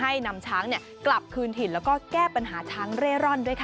ให้นำช้างกลับคืนถิ่นแล้วก็แก้ปัญหาช้างเร่ร่อนด้วยค่ะ